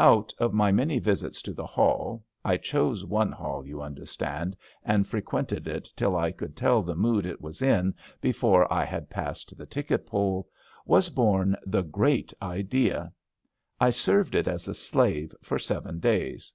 Out of my many visits to the hall — ^I chose one hall, you understand, and frequented it till I could tell the mood it was in before I had passed the ticket poll— was bom the Great Idea. I served it as a slave for seven days.